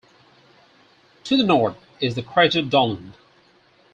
To the north is the crater Dollond.